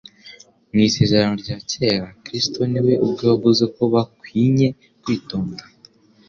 Mu Isezerano rya Kera Kristo ni we ubwe wavuze ko bakwinye kwitonda,